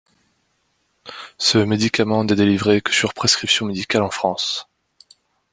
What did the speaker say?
Ce médicament n'est délivré que sur prescription médicale en France.